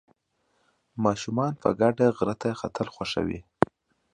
ماشومان په ګډه غره ته ختل خوښوي.